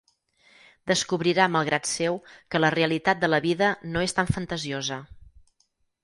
Descobrirà malgrat seu que la realitat de la vida no és tan fantasiosa.